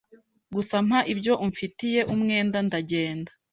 Gusa mpa ibyo umfitiye umwenda ndagenda